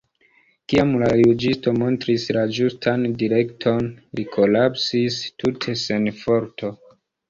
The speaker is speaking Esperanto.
Kiam la juĝisto montris la ĝustan direkton, li kolapsis tute sen forto.